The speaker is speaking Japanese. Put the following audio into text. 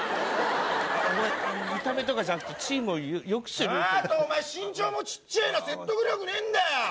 あっごめん見た目とかじゃなくてチームをよくするあとお前身長もちっちぇえな説得力ねえんだよ